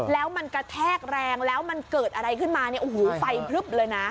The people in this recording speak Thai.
แล้วมันกระแทกแรงแล้วมันเกิดอะไรขึ้นมาเนี่ยโอ้โหไฟพลึบเลยนะ